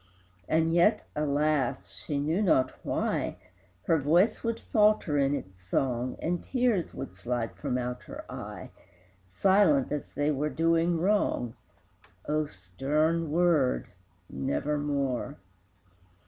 And yet, alas! she knew not why, Her voice would falter in its song, And tears would slide from out her eye, Silent, as they were doing wrong. O stern word Nevermore!